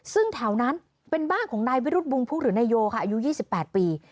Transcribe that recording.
ซึ่งแถวนั้นเป็นบ้านของนายวิรุฑบุงพุกหรือนายโยค่ะอายุ๒๘ปี